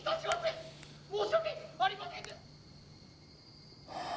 「申し訳ありません」。